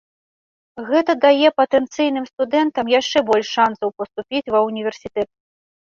Гэта дае патэнцыйным студэнтам яшчэ больш шанцаў паступіць ва ўніверсітэт.